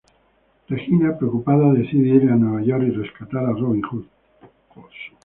Regina, preocupada, decide ir a Nueva York y rescatar a Robin Hood.